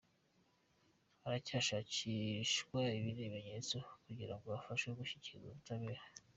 Haracyashakishwa ibindi bimenyetso kugirango abafashwe bashyikirizwe ubutabera.